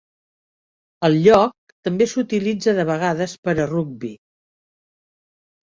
El lloc també s'utilitza de vegades per a rugbi.